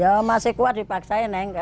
ya masih kuat dipaksain